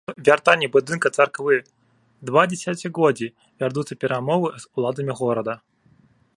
Аб вяртанні будынка царквы два дзесяцігоддзі вядуцца перамовы з уладамі горада.